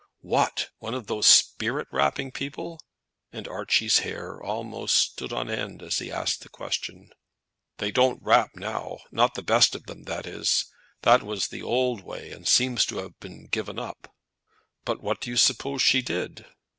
"What! one of those spirit rapping people?" And Archie's hair almost stood on end as he asked the question. "They don't rap now, not the best of them, that is. That was the old way, and seems to have been given up." "But what do you suppose she did?"